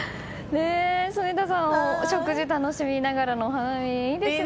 住田さん、食事楽しみながらのお花見いいですね。